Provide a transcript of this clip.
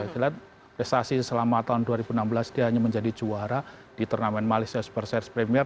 kita lihat prestasi selama tahun dua ribu enam belas dia hanya menjadi juara di turnamen malaysia super series premier